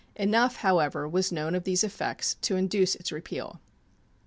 Enough, however, was known of these effects to induce its repeal.